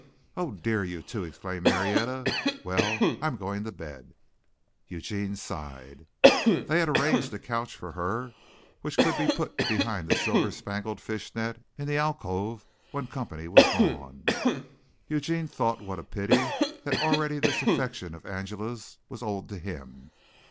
"Oh, dear, you two!" exclaimed Marietta. "Well, I'm going to bed." Eugene sighed. They had arranged a couch for her which could be put behind the silver spangled fish net in the alcove when company was gone. Eugene thought what a pity that already this affection of Angela's was old to him.